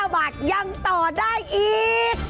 ๙บาทยังต่อได้อีก